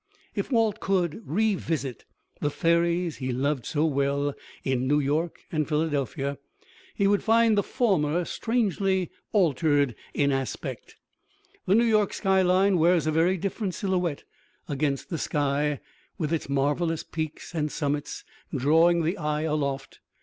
If Walt could revisit the ferries he loved so well, in New York and Philadelphia, he would find the former strangely altered in aspect. The New York skyline wears a very different silhouette against the sky, with its marvelous peaks and summits drawing the eye aloft.